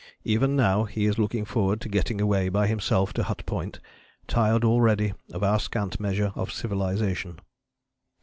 Even now he is looking forward to getting away by himself to Hut Point, tired already of our scant measure of civilization."